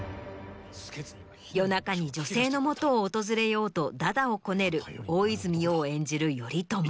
夜中に女性のもとを訪れようと駄々をこねる大泉洋演じる頼朝。